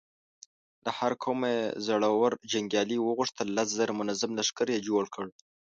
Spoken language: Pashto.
له هر قومه يې زړور جنګيالي وغوښتل، لس زره منظم لښکر يې جوړ کړ.